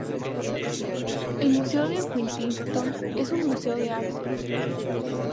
El museo de Huntington es un museo de arte.